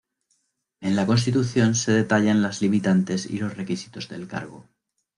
En la Constitución se detallan las limitantes y los requisitos del cargo.